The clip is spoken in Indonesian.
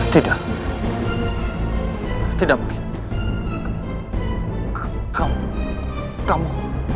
tidak tidak mungkin kamu